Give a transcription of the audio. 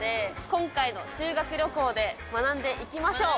今回のシュー学旅行で学んでいきましょう。